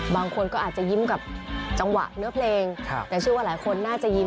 บางคนก็อาจจะยิ้มกับจังหวะเนื้อเพลงแต่เชื่อว่าหลายคนน่าจะยิ้ม